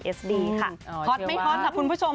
ฮอตไหมฮอตสำหรับคุณผู้ชม